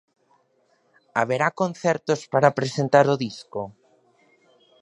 Haberá concertos para presentar o disco?